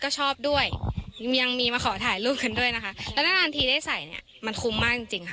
ก็ชอบด้วยยังมีมาขอถ่ายรูปกันด้วยนะคะแล้วนานทีได้ใส่เนี้ยมันคุ้มมากจริงจริงค่ะ